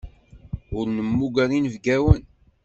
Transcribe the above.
Ur nemmuger inebgawen.